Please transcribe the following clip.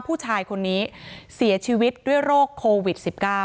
ผู้ชายคนนี้เสียชีวิตด้วยโรคโควิด๑๙